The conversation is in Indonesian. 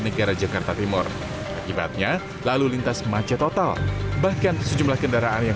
negara jakarta timur akibatnya lalu lintas macet total bahkan sejumlah kendaraan yang